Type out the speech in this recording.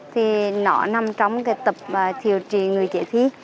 thì nó nằm trong cái tập thiểu trí người chế thi